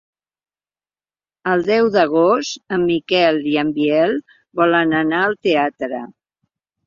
El deu d'agost en Miquel i en Biel volen anar al teatre.